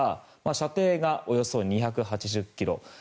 射程がおよそ２８０ｋｍ。